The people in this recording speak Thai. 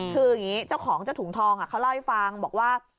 คืออย่างนี้เจ้าของเจ้าถุงทองเขาเล่าให้ฟังบอกว่า